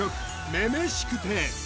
「女々しくて」